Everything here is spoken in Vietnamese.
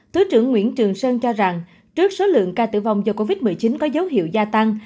thứ trưởng nguyễn trường sơn cho rằng trước số lượng ca tử vong do covid một mươi chín có dấu hiệu gia tăng